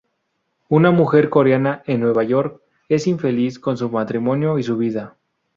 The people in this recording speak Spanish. Una mujer coreana en Nueva York es infeliz con su matrimonio y su vida.